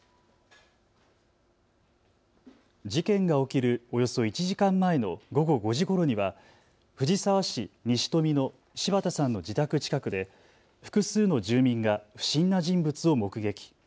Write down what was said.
事件が起きるおよそ１時間前の午後５時ごろには藤沢市西富の柴田さんの自宅近くで複数の住民が不審な人物を目撃。